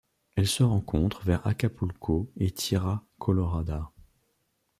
Elle se rencontre vers Acapulco et Tierra Colorada.